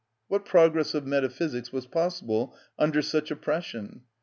What progress of metaphysics was possible under such oppression?